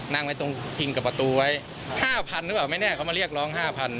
นั่งไว้ตรงพิงกับประตูไว้๕๐๐๐หรือเปล่าไหมเนี่ยเขามาเรียกร้อง๕๐๐